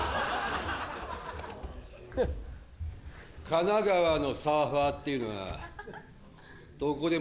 神奈川のサーファーっていうのは。